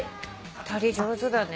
２人上手だね。